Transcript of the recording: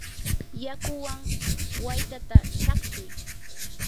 yakuwan waytata chaqchuy.